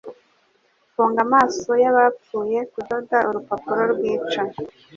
Funga amaso y'abapfuye kudoda urupapuro rwica